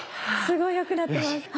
すごい良くなってます。